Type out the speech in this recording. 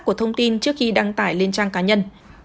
của thông tin trước khi đăng tải lên trang cá nhân